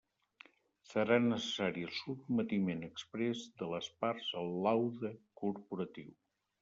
Serà necessari el sotmetiment exprés de les parts al laude corporatiu.